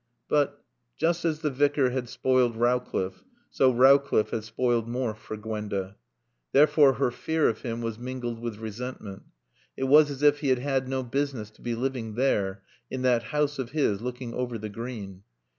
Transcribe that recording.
But, just as the Vicar had spoiled Rowcliffe, so Rowcliffe had spoiled Morfe for Gwenda. Therefore her fear of him was mingled with resentment. It was as if he had had no business to be living there, in that house of his looking over the Green.